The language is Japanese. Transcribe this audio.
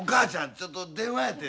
ちょっと電話やて。